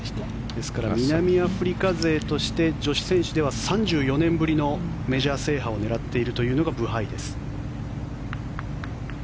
ですから南アフリカ勢として女子選手では３４年ぶりのメジャー制覇を狙っているのがブハイです。